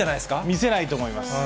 見せないと思います。